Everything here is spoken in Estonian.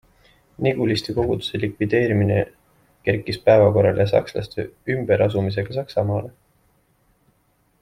Niguliste koguduse likvideerimine kerkis päevakorrale sakslaste ümberasumisega Saksamaale.